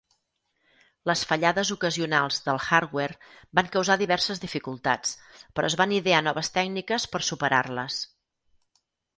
Les fallades ocasionals del hardware van causar diverses dificultats, però es van idear noves tècniques per superar-les.